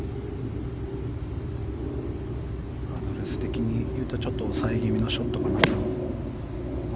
アドレス的にちょっと抑え気味のショットかな。